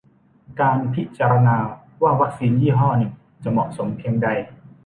การพิจารณาว่าวัคซีนยี่ห้อหนึ่งจะ "เหมาะสม" เพียงใด